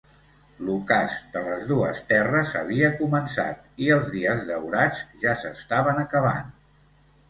L'ocàs de les Dues Terres havia començat, i els dies daurats ja s'estaven acabant.